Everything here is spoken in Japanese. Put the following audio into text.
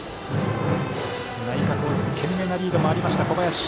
内角をつく懸命なリードもありました、小林。